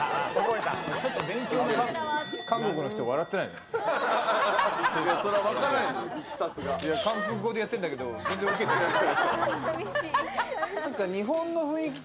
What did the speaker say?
韓国語でやってるんだけど全然ウケてない。